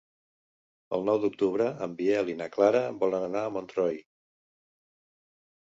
El nou d'octubre en Biel i na Clara volen anar a Montroi.